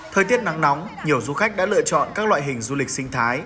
thời tiết nắng nóng nhiều du khách đã lựa chọn các loại hình du lịch sinh thái